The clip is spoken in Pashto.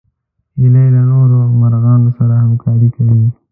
هیلۍ له نورو مرغانو سره همکاري کوي